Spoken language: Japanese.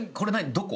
どこ？